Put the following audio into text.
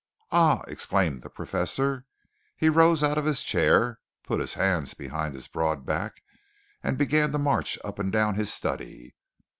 "Ah!" exclaimed the Professor. He rose out of his chair, put his hands behind his broad back, and began to march up and down his study.